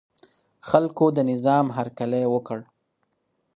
خلکو د نظام هرکلی وکړ.